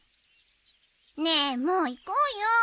ねえもう行こうよ。